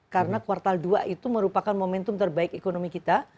karena kuartal dua itu merupakan momentum terbaik ekonomi kita